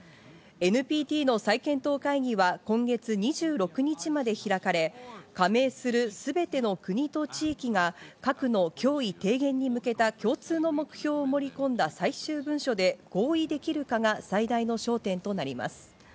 ＮＰＴの再検討会議は今月２６日まで開かれ、加盟する全ての国と地域が核の脅威低減に向けた共通の目標を盛り込んだ最終文書で合意できるかが最大の焦点となります。